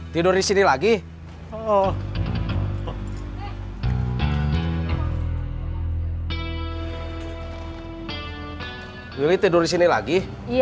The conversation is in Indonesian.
tidur disini lagi